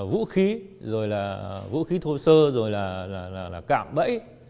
vũ khí vũ khí thô sơ cạm bẫy